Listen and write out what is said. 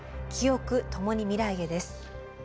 「キオク、ともに未来へ。」です。